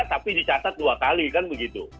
tapi dicatat dua kali kan begitu